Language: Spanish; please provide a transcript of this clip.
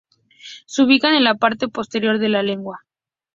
Se ubican en la parte posterior de la lengua.